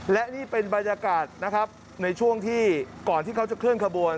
และนี่เป็นบรรยากาศนะครับในช่วงที่ก่อนที่เขาจะเคลื่อนขบวน